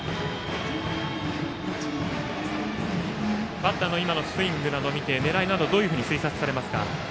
バッターの今のスイングなどを見て狙いなどはどう推察されますか？